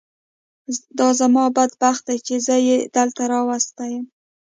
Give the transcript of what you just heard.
دا زما بد بخت دی چې زه یې دلته راوستی یم.